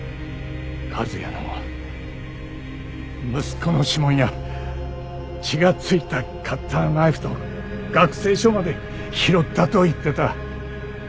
和哉の息子の指紋や血が付いたカッターナイフと学生証まで拾ったと言ってた。